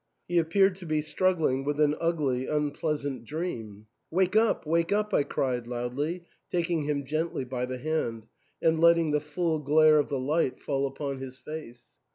He appeared to be struggling with an ugly, unpleasant dream. " Wake up, wake up !" I cried loudly, taking him gently by the hand, and letting the full glare of the light fall upon his face.